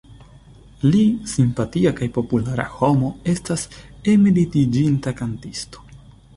Li, simpatia kaj populara homo, estas emeritiĝinta kantisto.